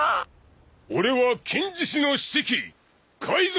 俺は金獅子のシキ海賊だ！